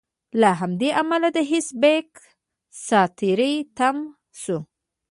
له همدې امله د حسین بېګ سا تری تم شوه.